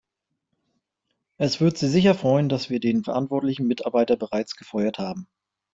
Es wird Sie sicher freuen, dass wir den verantwortlichen Mitarbeiter bereits gefeuert haben.